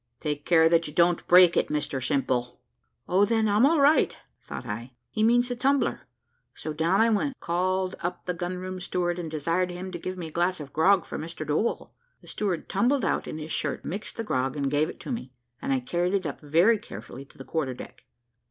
"Take care that you don't break it, Mr Simple." "O then, I'm all right," thought I; "he means the tumbler:" so down I went, called up the gunroom steward, and desired him to give me a glass of grog for Mr Doball. The steward tumbled out in his shirt, mixed the grog, and gave it to me, and I carried it up very carefully to the quarter deck.